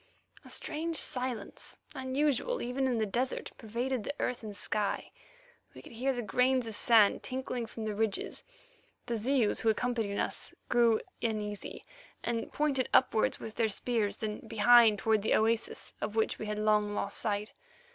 A strange silence, unusual even in the desert, pervaded the earth and sky; we could hear the grains of sand trickling from the ridges. The Zeus, who accompanied us, grew uneasy, and pointed upward with their spears, then behind toward the oasis of which we had long lost sight.